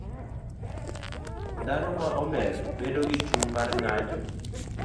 Dhano ma omer bedo gi chuny mar ng'anjo